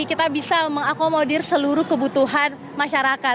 kita bisa mengakomodir seluruh kebutuhan masyarakat